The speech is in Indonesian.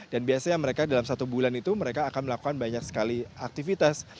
dan biasanya mereka dalam satu bulan itu mereka akan melakukan banyak sekali aktivitas